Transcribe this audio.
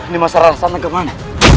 nimasarara santang kemana